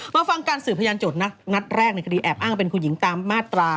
มาฟังการสืบพยานโจทย์นัดแรกในคดีแอบอ้างเป็นคุณหญิงตามมาตรา